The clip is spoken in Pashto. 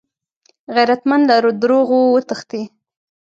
غیرتمند له دروغو وتښتي